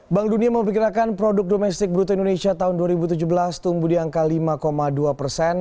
bank dunia memperkirakan produk domestik bruto indonesia tahun dua ribu tujuh belas tumbuh di angka lima dua persen